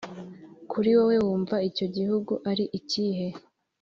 Kuri wowe wumva icyo gihugu ari ikihe?